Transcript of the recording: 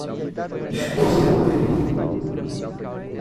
Esposa do primo